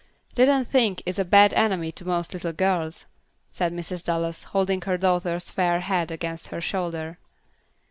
"Didn't Think is a bad enemy to most little girls," said Mrs. Dallas, holding her daughter's fair head against her shoulder.